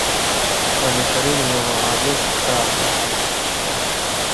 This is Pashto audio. قرآن کریم یو معجز کتاب دی .